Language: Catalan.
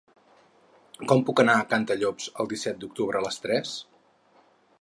Com puc anar a Cantallops el disset d'octubre a les tres?